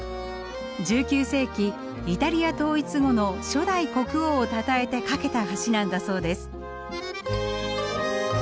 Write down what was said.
１９世紀イタリア統一後の初代国王をたたえて架けた橋なんだそうです。